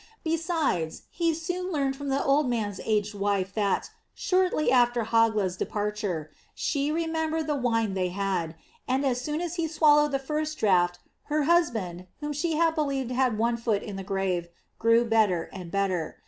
Besides he soon learned from the old man's aged wife that, shortly after Hogla's departure, she remembered the wine they had, and as soon as he swallowed the first draught her husband, whom she had believed had one foot in the grave, grew better and better.